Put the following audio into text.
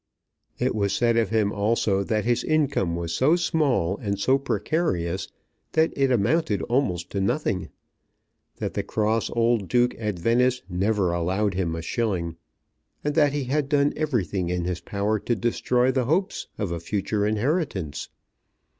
It was said of him also that his income was so small and so precarious that it amounted almost to nothing, that the cross old Duke at Venice never allowed him a shilling, and that he had done everything in his power to destroy the hopes of a future inheritance.